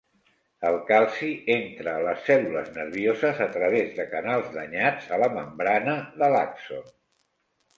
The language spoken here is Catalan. El calci entra a les cèl·lules nervioses a través de canals danyats a la membrana de l'àxon.